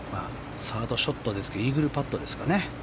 サードショットですけどイーグルパットですかね。